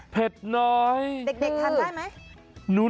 เด็กทานได้ไหม